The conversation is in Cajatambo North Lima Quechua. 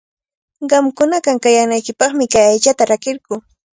Qamkuna kankanaykipaqmi kay aychata rakirquu.